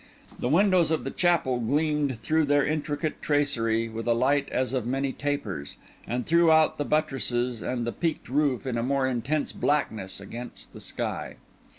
The windows of the chapel gleamed through their intricate tracery with a light as of many tapers, and threw out the buttresses and the peaked roof in a more intense blackness against the sky.